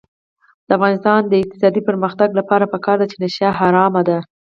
د افغانستان د اقتصادي پرمختګ لپاره پکار ده چې نشه حرامه ده.